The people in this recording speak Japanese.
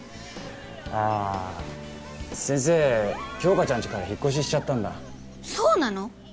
あ先生杏花ちゃんちから引っ越ししちゃったんだそうなの？